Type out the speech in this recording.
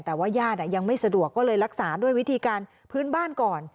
แต่ว่าญาติยังไม่สะดวกก็เลยรักษาด้วยวิธีการพื้นบ้านก่อน